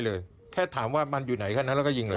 แล้วคราวนี้ถ้าหนูไม่ปิดประตูนะสงสัยจะหนูได้เลย